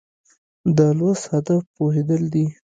د لوست هدف پوهېدل دي.